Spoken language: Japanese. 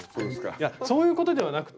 いやそういうことではなくて。